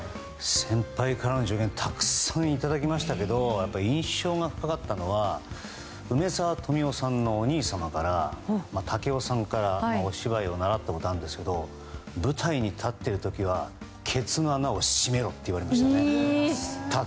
先輩からの助言はたくさんいただきましたけど印象が深かったのは梅沢富美男さんのお兄さんからお芝居を習ったことがあるんですけど舞台に立っている時はケツの穴を閉めろって言われました。